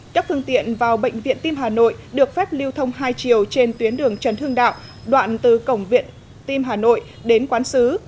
các phương tiện vào bệnh viện tim hà nội được phép lưu thông hai chiều trên tuyến đường trần hưng đạo đoạn từ cổng viện tim hà nội đến quán xứ